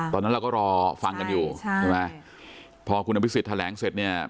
ตอนนั้นเราก็รอฟังกันอยู่ใช่ไหมพอคุณอภิษฎแถลงเสร็จเนี่ย